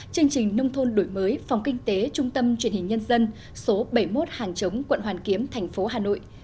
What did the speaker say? chương trình nông thôn đổi mới phòng kinh tế trung tâm truyền hình nhân dân số bảy mươi một hàng chống quận hoàn kiếm thành phố hà nội